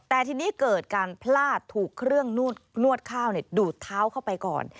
แต่ทีนี้เกิดการพลาดถูกเครื่องนวดข้าวดูดเท้าเข้าไปก่อน